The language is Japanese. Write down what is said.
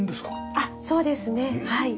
あっそうですねはい。